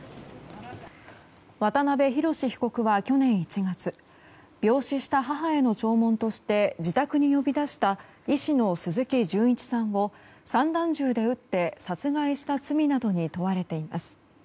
渡邊宏被告は去年１月病死した母への弔問として自宅に呼び出した医師の鈴木純一さんを散弾銃で撃って殺害した罪などに問われています。